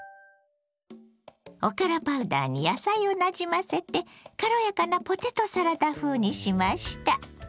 おからパウダーに野菜をなじませて軽やかなポテトサラダ風にしました。